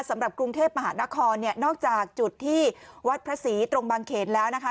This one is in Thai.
สำหรับกรุงเทพมหานครเนี่ยนอกจากจุดที่วัดพระศรีตรงบางเขนแล้วนะคะ